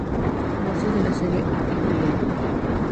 Lazio de la Serie A italiana.